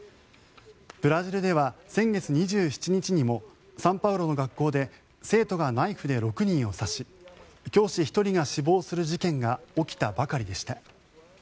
ブラジルでは先月２７日にもサンパウロの学校で生徒がナイフで６人を刺し教師１人が死亡する事件が起きたばかりでした。